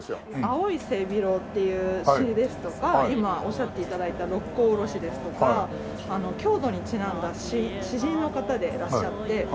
『青い背広で』っていう詞ですとか今おっしゃって頂いた『六甲おろし』ですとか郷土にちなんだ詩人の方でいらっしゃって。